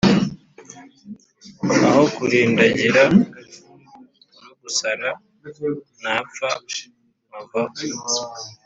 aho kurindagira no gusara napfa nkavaho